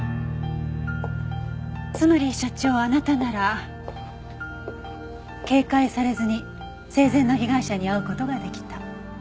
つまり社長あなたなら警戒されずに生前の被害者に会う事ができた。